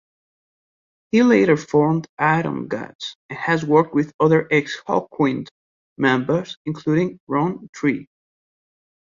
He later formed Atomgods and has worked with other ex-Hawkwind members including Ron Tree.